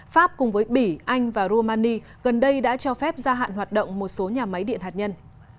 pháp cùng với bỉ anh và rumani gần đây đã cho phép gia hạn hoạt động một số nhà máy điện hạt nhân